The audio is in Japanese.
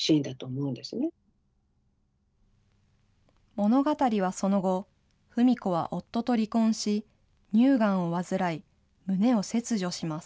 物語はその後、ふみ子は夫と離婚し、乳がんを患い、胸を切除します。